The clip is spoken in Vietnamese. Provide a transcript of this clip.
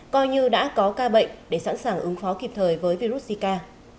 coi như đã có ca bệnh để sẵn sàng ứng phó kịp thời với virus zika